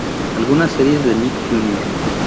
Algunas series de Nick Jr.